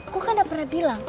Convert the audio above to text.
gua kan udah pernah bilang